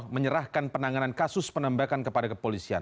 menyerahkan penanganan kasus penembakan kepada kepolisian